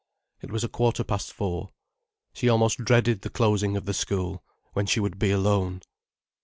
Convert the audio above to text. It was a quarter past four. She almost dreaded the closing of the school, when she would be alone.